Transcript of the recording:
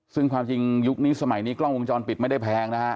ซึ่งความจริงยุคนี้สมัยนี้กล้องวงจรปิดไม่ได้แพงนะฮะ